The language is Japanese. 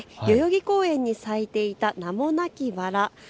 代々木公園に咲いていた名もなきバラ。